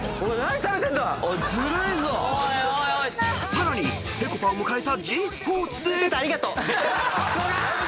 ［さらにぺこぱを迎えたｇスポーツで］